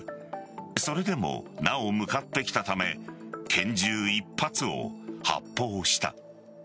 それでもなお向かってきたため拳銃１発を発砲した。